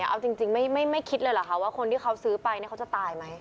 เอาจริงไม่คิดเลยเหรอคะว่าคนที่เขาซื้อไปเขาจะตายไหม